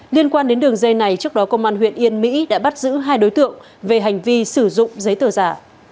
liên quan đến đường dây này trước đó công an huyện yên mỹ đã bắt giữ hai đối tượng về hành vi sử dụng giấy tờ giả